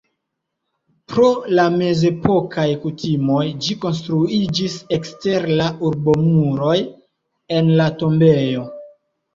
Pro la mezepokaj kutimoj ĝi konstruiĝis ekster la urbomuroj en la tombejo.